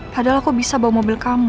padahal aku bisa bawa mobil kamu